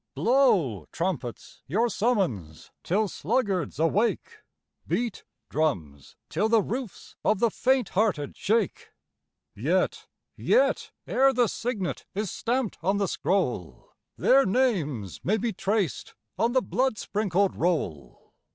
Blow, trumpets, your summons, till sluggards awake! Beat, drums, till the roofs of the faint hearted shake! Yet, yet, ere the signet is stamped on the scroll, Their names may be traced on the blood sprinkled roll!